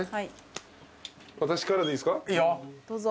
どうぞ。